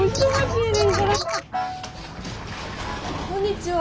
こんにちは。